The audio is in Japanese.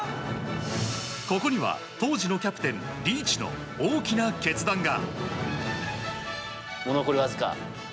ここには当時のキャプテンリーチの大きな決断が。